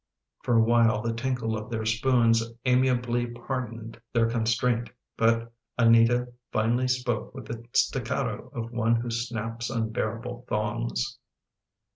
For a while the tinkle of their spoons amiably pardoned their con straint, but Anita finally spoke with the staccato of one who snaps unbearable thongs.